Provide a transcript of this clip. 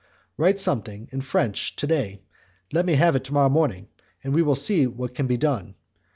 Write something in French to day, let me have it to morrow morning, and we will see what can be done.